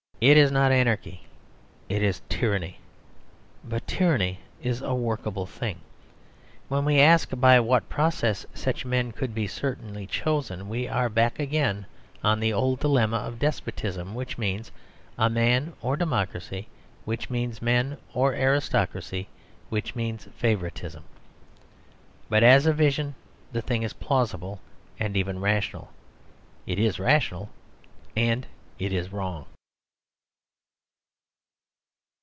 It is not anarchy, it is tyranny; but tyranny is a workable thing. When we ask by what process such men could be certainly chosen, we are back again on the old dilemma of despotism, which means a man, or democracy which means men, or aristocracy which means favouritism. But as a vision the thing is plausible and even rational. It is rational, and it is wrong.